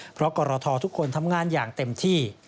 เพราะกรททุกคนทำงานอย่างเต็มที่